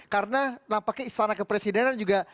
karena nampaknya istana kepresidenan juga